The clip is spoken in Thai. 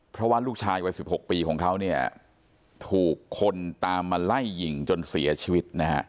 เพราะว่าลูกชาย๑๖ปีของเขาถูกคนตามมาไล่หญิงจนเสียชีวิต